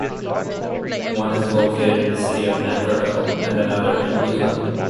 One is located in the city of Naperville and another in Wheeling.